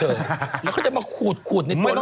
เหอะัะแล้วเขาจะมาขู่ดในตัวลูกเธอ